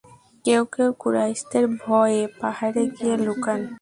কেউ কেউ কুরাইশদের ভয়ে পাহাড়ে গিয়ে লুকান।